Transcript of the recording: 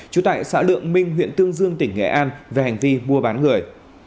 trú tại xã lượng minh huyện tương dương tỉnh nghệ an về hành vi mua bán người